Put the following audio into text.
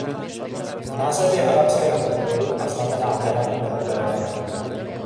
Název je arabského původu a znamená beran nebo beránek.